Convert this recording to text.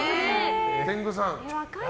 天狗さん。